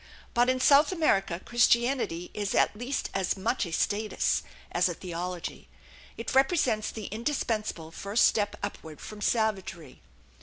But in South America Christianity is at least as much a status as a theology. It represents the indispensable first step upward from savagery.